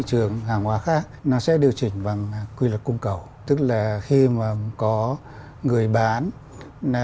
thị trường hàng hóa khác nó sẽ điều chỉnh bằng quy luật cung cầu tức là khi mà có người bán